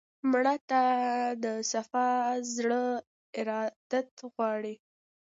مړه ته د صفا زړه ارادت غواړو